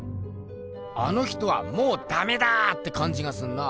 あの人はもうダメだってかんじがすんな。